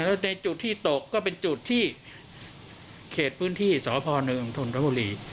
แล้วในจุดที่ตกก็เป็นจุดที่เขตพื้นที่สพหนึ่งทนทบุรี